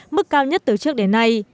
mức cao nhất từ trước đến nay